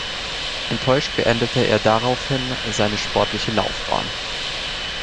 Enttäuscht beendete er daraufhin seine sportliche Laufbahn.